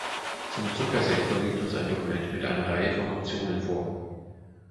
Zum Zuckersektor liegt uns ein Dokument mit einer Reihe von Optionen vor.